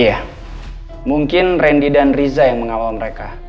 iya mungkin randy dan riza yang mengawal mereka